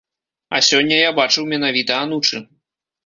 А сёння я бачыў менавіта анучы.